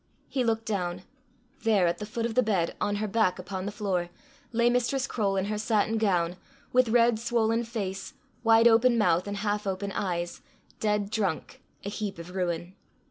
He looked down: there, at the foot of the bed, on her back upon the floor, lay Mistress Croale in her satin gown, with red swollen face, wide open mouth, and half open eyes, dead drunk, a heap of ruin.